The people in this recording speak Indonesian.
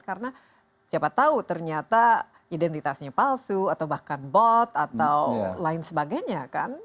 karena siapa tahu ternyata identitasnya palsu atau bahkan bot atau lain sebagainya kan